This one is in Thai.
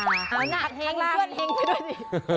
อ้าวน่ะข้างล่างเคลื่อนแห้งไปด้วย